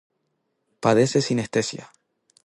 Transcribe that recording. Padece sinestesia.